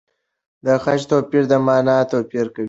د خج توپیر د مانا توپیر کوي.